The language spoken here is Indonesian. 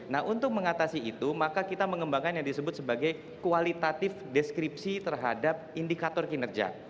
nah untuk mengatasi itu maka kita mengembangkan yang disebut sebagai kualitatif deskripsi terhadap indikator kinerja